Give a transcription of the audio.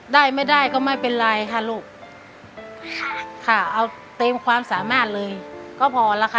ได้ไม่ได้ก็ไม่เป็นไรค่ะลูกค่ะค่ะเอาเต็มความสามารถเลยก็พอแล้วค่ะ